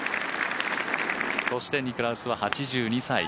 そして、ニクラウスは８２歳。